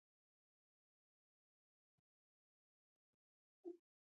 د میرافغان علیزي قبر باید ورغول سي